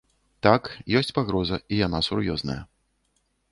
Так, ёсць пагроза, і яна сур'ёзная.